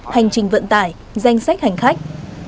hành trình vận tải danh sách hành khách